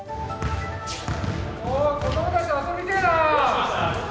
子どもたちと遊びてえなー。